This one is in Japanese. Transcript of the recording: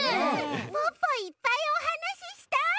ポッポいっぱいおはなししたい！